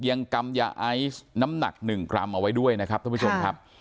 กำยาไอซ์น้ำหนัก๑กรัมเอาไว้ด้วยนะครับท่านผู้ชมครับ